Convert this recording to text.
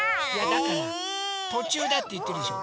だからとちゅうだっていってるでしょ。